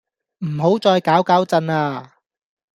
唔好再搞搞震呀